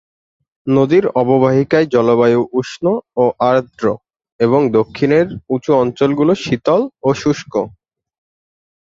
নদীর অববাহিকায় জলবায়ু উষ্ণ ও আর্দ্র এবং দক্ষিণের উঁচু অঞ্চলগুলো শীতল ও শুষ্ক।